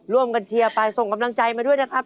เชียร์ไปส่งกำลังใจมาด้วยนะครับ